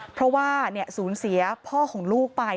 เพราะว่าสูญเสียพ่อของลูกไป